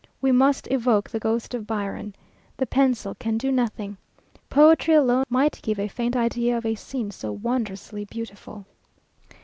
We must evoke the ghost of Byron. The pencil can do nothing. Poetry alone might give a faint idea of a scene so wondrously beautiful.